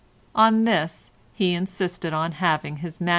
On this he insisted on having his MS.